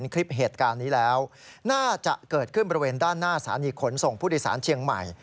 การนี้แล้วน่าจะเกิดขึ้นบริเวณด้านหน้าศาลีขนส่งพุทธศาสตร์เชียงใหม่